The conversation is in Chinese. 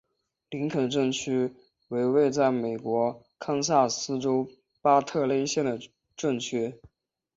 林肯镇区为位在美国堪萨斯州巴特勒县的镇区。